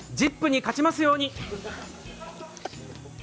「ＺＩＰ！」に勝ちますように。